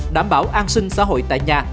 đảm bảo an sinh xã hội tại nhà